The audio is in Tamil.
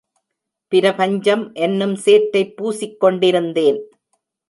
பிரபஞ்சம் என்னும் சேற்றைப் பூசிக் கொண்டிருந்தேன்.